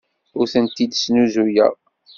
Ur tent-id-snuzuyeɣ.